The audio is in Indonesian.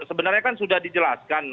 sebenarnya kan sudah dijelaskan